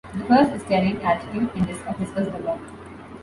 The first is terrain altitude, as discussed above.